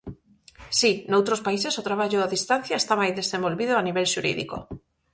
Si, noutros países o traballo a distancia está máis desenvolvido a nivel xurídico.